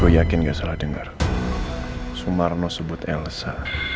aku yakin gak salah dengar sumarno sebut elsa